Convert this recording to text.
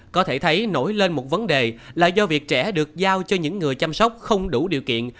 có thể thấy nổi lên một vấn đề là do việc trẻ được giao cho những người chăm sóc không đủ điều kiện